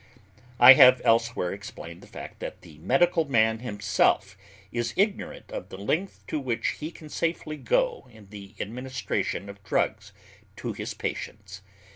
I have elsewhere explained the fact that the medical man himself is ignorant of the length to which he can safely go in the administration of drugs to his patients.